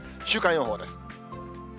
週間予報です。